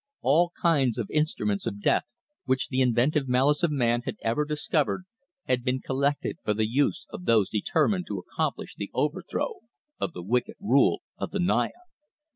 All kinds of instruments of death, which the inventive malice of man had ever discovered had been collected for the use of those determined to accomplish the overthrow of the wicked rule of the Naya.